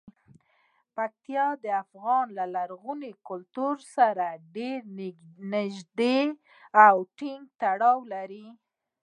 پکتیکا د افغان لرغوني کلتور سره ډیر نږدې او ټینګ تړاو لري.